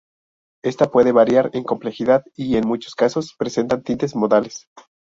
Esta puede variar en complejidad, y en muchos casos presenta tintes modales.